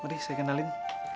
mari saya kenalin